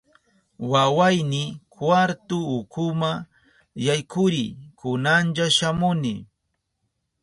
Wawayni, kwartu ukuma yaykuriy, kunalla shamuni.